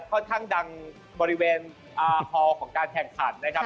ค่อนข้างดังบริเวณอาฮอลของการแข่งขันนะครับ